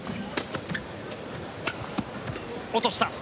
落とした。